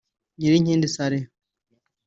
Nyilinkindi Saleh